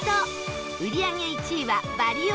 売り上げ１位はバリ男